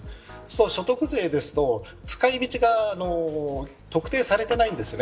所得税だと使い道が特定されていないんです。